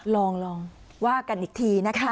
ลองว่ากันอีกทีนะคะ